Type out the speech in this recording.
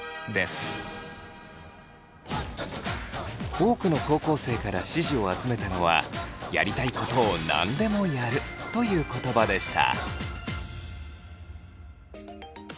多くの高校生から支持を集めたのは「やりたいことを何でもやる」という言葉でした。